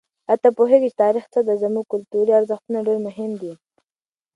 آیا ته پوهېږې چې تاریخ څه دی؟ زموږ کلتوري ارزښتونه ډېر مهم دي.